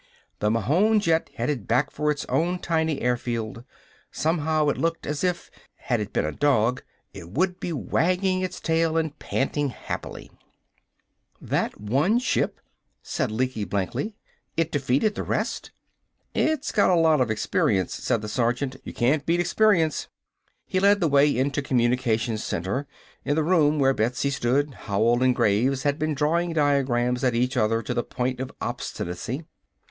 The Mahon jet headed back for its own tiny airfield. Somehow, it looked as if, had it been a dog, it would be wagging its tail and panting happily. "That one ship," said Lecky blankly, "it defeated the rest?" "It's got a lot of experience," said the sergeant. "You can't beat experience." He led the way into Communications Center. In the room where Betsy stood, Howell and Graves had been drawing diagrams at each other to the point of obstinacy.